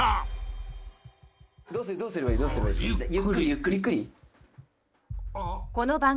「どうすればいいですか？」